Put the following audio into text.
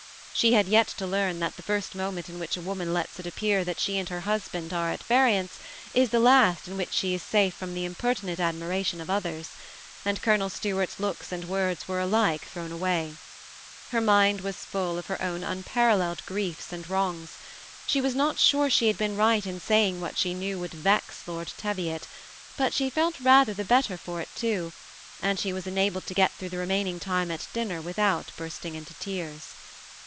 She had yet to learn that the first moment in which a woman lets it appear that she and her husband are at variance, is the last in which she is safe from the impertinent admira tion of others ; and Colonel Stuart's looks and words were alike thrown away. Her mind was full of her 214 THE SEMI ATTA6HED COUPLE. own unparalleled griefs and wrongs. She was not sure she had been right inlaying what she knew would Tex Lord Teviot ; but she felt rather the better for it too, and she was enabled to get through the reniaining time at dinner without bursting into tears.